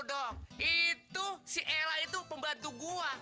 dong itu si ella itu pembantu gue